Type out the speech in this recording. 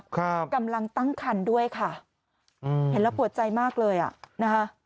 ครับกำลังตั้งคันด้วยค่ะอืมเห็นแล้วปวดใจมากเลยอ่ะนะคะ